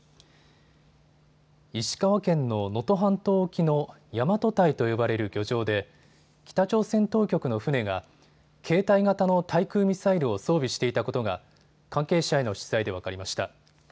石川県の能登半島沖の大和堆と呼ばれる漁場で北朝鮮当局の船が携帯型の対空ミサイルを装備していたことが関係者への取材で分かりました。